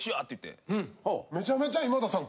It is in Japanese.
めちゃめちゃ今田さん